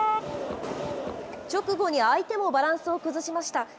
直後に相手もバランスを崩しました。